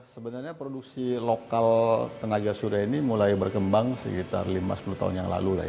sebenarnya produksi lokal tenaga surya ini mulai berkembang sekitar lima sepuluh tahun yang lalu lah ya